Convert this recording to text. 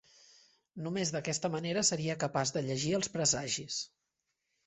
Només d'aquesta manera seria capaç de llegir els presagis.